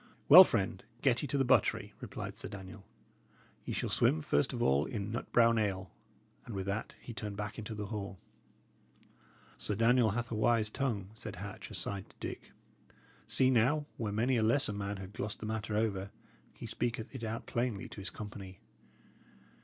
"Well, friend, get ye to the buttery," replied Sir Daniel. "Ye shall swim first of all in nut brown ale." And with that he turned back into the hall. "Sir Daniel hath a wise tongue," said Hatch, aside, to Dick. "See, now, where many a lesser man had glossed the matter over, he speaketh it out plainly to his company.